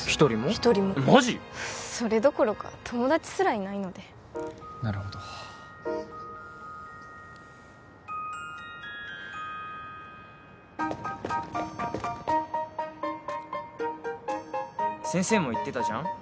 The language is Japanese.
一人もそれどころか友達すらいないのでなるほど先生も言ってたじゃん